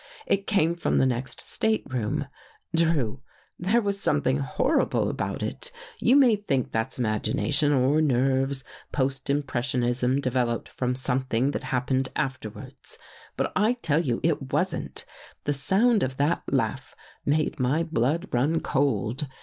It came from the next stateroom. Drew, there was something horrible about it. You may think that's imagination, or nerves — post impressionism developed from some thing that happened afterwards. But I tell you it wasn't. The sound of that laugh made my blood run cold.